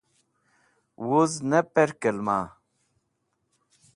Wuz ne pẽrkẽlema